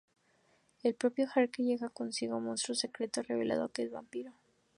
El propio Harker lleva consigo otro monstruoso secreto, revelando que es un vampiro.